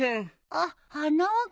あっ花輪君。